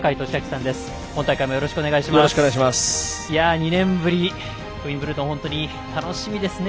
２年ぶり、ウィンブルドン本当に楽しみですね。